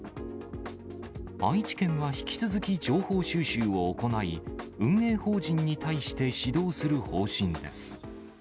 愛知県は引き続き情報収集を行い、運営法人に対して指導する方針です。